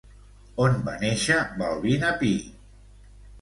On va néixer Balbina Pi?